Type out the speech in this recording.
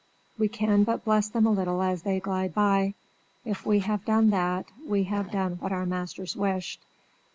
We can but bless them a little as they glide by: if we have done that, we have done what our masters wished.